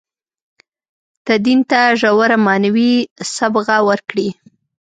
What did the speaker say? تدین ته ژوره معنوي صبغه ورکړي.